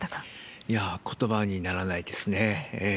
いやー、ことばにならないですね。